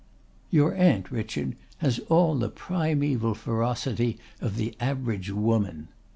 "Your aunt, Richard, has all the primeval ferocity of the average woman."